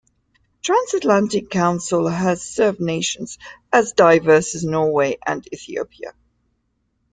Transatlantic Council has served nations as diverse as Norway and Ethiopia.